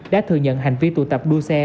đã thừa nhận hành vi tụ tập đua xe